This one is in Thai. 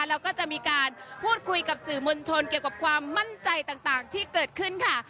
แล้วก็จะมีการพูดคุยกับสื่อมวลชนเกี่ยวกับความมั่นใจต่างที่เกิดขึ้นค่ะ